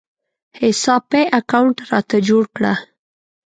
حساب پې اکاونټ راته جوړ کړه